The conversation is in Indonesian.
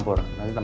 ya allah pak